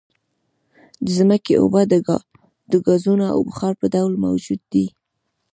د ځمکې اوبه د ګازونو او بخار په ډول موجود دي